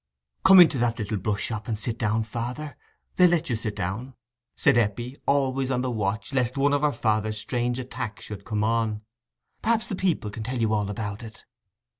"Come into that little brush shop and sit down, father—they'll let you sit down," said Eppie, always on the watch lest one of her father's strange attacks should come on. "Perhaps the people can tell you all about it."